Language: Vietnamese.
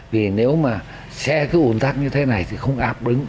vì nếu mà xe cứ ồn tắc như thế này thì không đáp ứng được nhu cầu